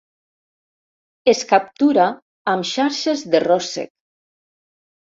Es captura amb xarxes de ròssec.